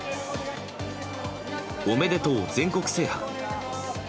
「おめでとう全国制覇！